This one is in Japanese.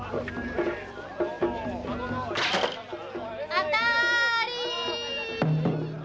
当たり！